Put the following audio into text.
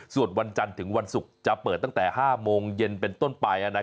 ส่วนวันจันทร์ถึงวันศุกร์จะเปิดตั้งแต่๕โมงเย็นเป็นต้นไป